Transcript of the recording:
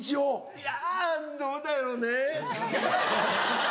いやどうだろうね？